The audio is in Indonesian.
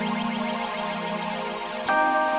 berarti yang ini punya saya